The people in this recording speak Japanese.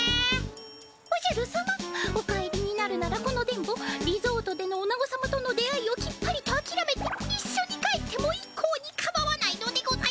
おじゃる様お帰りになるならこの電ボリゾートでのオナゴ様との出会いをきっぱりとあきらめていっしょに帰ってもいっこうにかまわないのでございます。